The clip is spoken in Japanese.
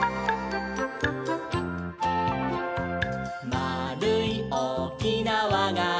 「まあるいおおきなわがあれば」